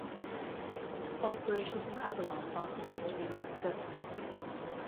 Operations from Avalon also proved to be unsuccessful.